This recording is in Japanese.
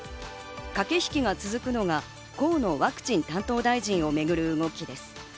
駆け引きが続くのが河野ワクチン担当大臣をめぐる動きです。